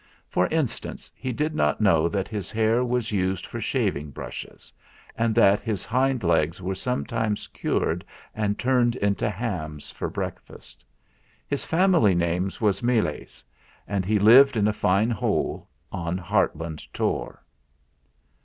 For instance, he did not know that his hair was used for shaving brushes and that his hind legs were sometimes cured and turned into hams for breakfast. His family name was Meles, and he lived in a fine hole on Hartland Tor.